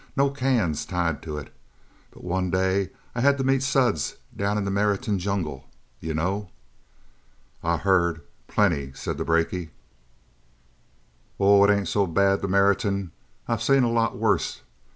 No cans tied to it. But one day I had to meet Suds down in the Meriton Jungle. You know?" "I've heard plenty," said the brakie. "Oh, it ain't so bad the Meriton. I've seen a lot worse.